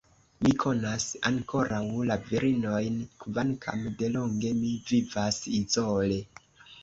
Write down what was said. Mi konas ankoraŭ la virinojn, kvankam delonge mi vivas izole.